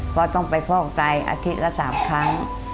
ก็ต้องไปฟอกไตอาทิตย์ละ๓ครั้ง